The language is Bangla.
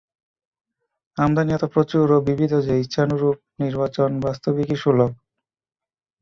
আমদানী এত প্রচুর ও বিবিধ যে, ইচ্ছানুরূপ নির্বাচন বাস্তবিকই সুলভ।